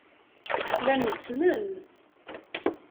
Llan usmen.